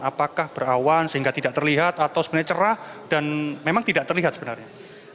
apakah berawan sehingga tidak terlihat atau sebenarnya cerah dan memang tidak terlihat sebenarnya